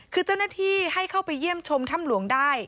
คือเจ้าหน้าที่ให้เข้าไปเยี่ยมชมถ้ำหลวงได้